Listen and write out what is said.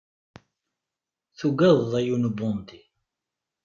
Tugadeḍ a yiwen ubandi!